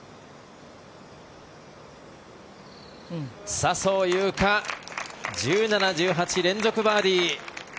笹生優花１７、１８連続バーディー。